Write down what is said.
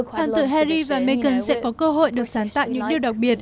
hoàng tử harry và meghan sẽ có cơ hội được sáng tạo những điều đặc biệt